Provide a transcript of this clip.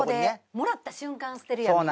もらった瞬間捨てるやんみんな。